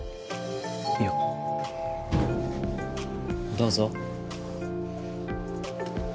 どうぞ。